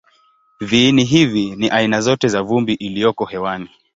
Viini hivi ni aina zote za vumbi iliyoko hewani.